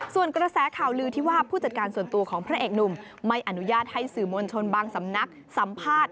ส่วนกระแสข่าวลือที่ว่าผู้จัดการส่วนตัวของพระเอกหนุ่มไม่อนุญาตให้สื่อมวลชนบางสำนักสัมภาษณ์